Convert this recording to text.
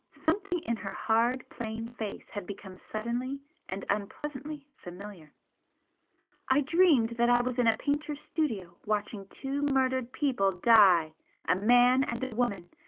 Something in her hard, plain face had become suddenly and unpleasantly familiar. "I dreamed that I was in a painter's studio watching two murdered people die a man and a woman.